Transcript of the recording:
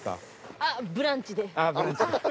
あっ『ブランチ』で？